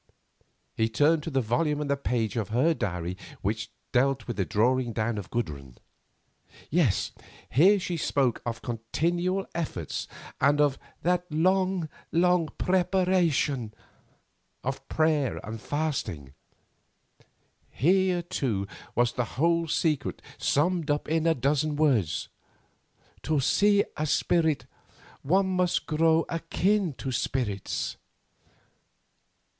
He turned to the volume and page of her diary which dealt with the drawing down of Gudrun. Yes, here she spoke of continual efforts and of "that long, long preparation"—of prayer and fasting also. Here, too, was the whole secret summed up in a dozen words: "To see a spirit one must grow akin to spirits."